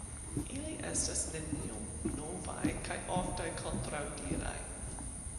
Ili estas neniom novaj kaj ofte kontraŭdiraj.